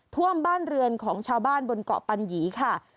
ท่วมบ้านเรือนของชาวบ้านบนเกาะปัญหยีค่ะ